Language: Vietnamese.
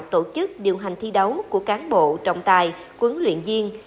tổ chức điều hành thi đấu của cán bộ trọng tài quấn luyện viên